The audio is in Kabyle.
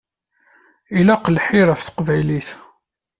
Ilaq lḥir ɣef teqbaylit.